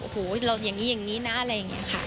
โหเราอย่างนี้นะอะไรอย่างนี้ค่ะ